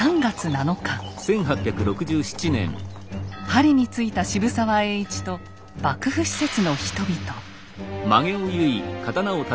パリに着いた渋沢栄一と幕府使節の人々。